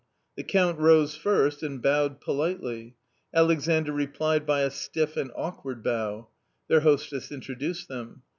The Count rose first and bowed politely. Alexandr replied by a stiff and awkward bow. Their hostess introduced them.